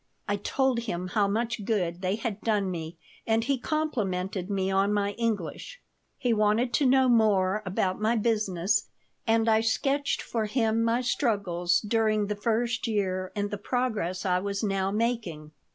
I told him how much good they had done me and he complimented me on my English He wanted to know more about my business, and I sketched for him my struggles during the first year and the progress I was now making.